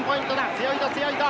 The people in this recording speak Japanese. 強いぞ強いぞ。